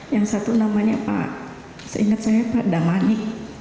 yang satu namanya pak seingat saya pak damani